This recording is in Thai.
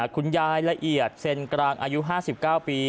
คุณยายละเอียดเซ็นกลางอายุ๕๙ปี